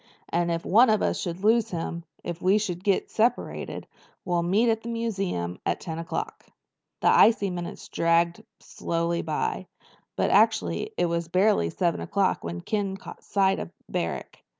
"And if one of us should lose him—if we should get separated—we'll meet at the museum at ten o'clock." The icy minutes dragged slowly by. But actually it was barely seven o'clock when Ken caught sight of Barrack.